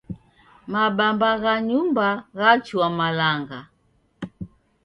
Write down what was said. Mabamba gha nyumba ghachua malanga.